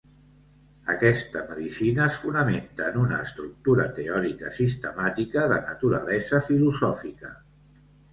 Aquesta medicina es fonamenta en una estructura teòrica sistemàtica de naturalesa filosòfica.